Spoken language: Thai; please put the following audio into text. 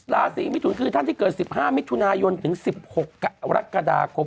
ราศีมิถุนคือท่านที่เกิด๑๕มิถุนายนถึง๑๖กรกฎาคม